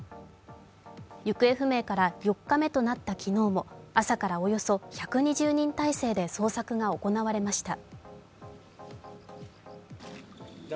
行方不明から４日目となった昨日も朝からおよそ１２０人態勢で捜索が行われました。